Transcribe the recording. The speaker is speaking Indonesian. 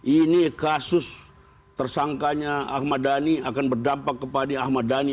ini kasus tersangkanya ahmad dhani akan berdampak kepada ahmad dhani